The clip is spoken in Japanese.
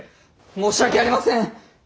申し訳ありません。